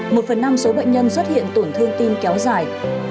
một phần năm số bệnh nhân xuất hiện tổn thương tim kéo dài